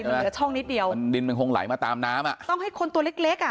มันเหลือช่องนิดเดียวมันดินมันคงไหลมาตามน้ำอ่ะต้องให้คนตัวเล็กเล็กอ่ะ